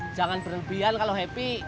jangan berlebihan kalau happy